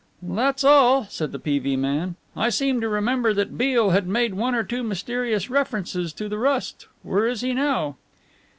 "That's all," said the P.V. man. "I seem to remember that Beale had made one or two mysterious references to the Rust. Where is he now?"